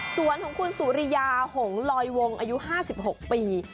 ส่วนของคุณสุริยาหงลอยวงอายุ๕๖ปี